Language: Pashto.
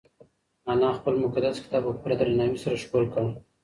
انا خپل مقدس کتاب په پوره درناوي سره ښکل کړ.